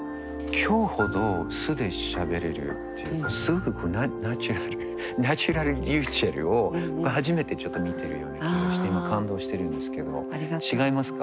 今日ほど素でしゃべれるっていうかすごくナチュラルナチュラルｒｙｕｃｈｅｌｌを僕初めてちょっと見てるような気がして今感動してるんですけど違いますか。